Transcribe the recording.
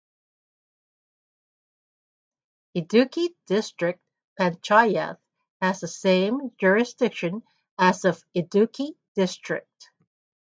Idukki District Panchayath has same jurisdiction as of Idukki District.